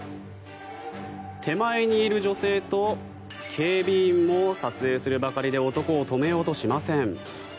手前にいる女性と警備員も撮影するばかりで男を止めようとしません。